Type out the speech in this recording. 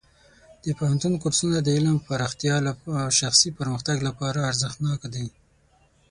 د پوهنتون کورسونه د علم پراختیا او شخصي پرمختګ لپاره ارزښتناک دي.